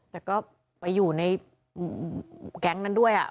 แต่ก็ไปอยู่ในแก๊งนั้นด้วย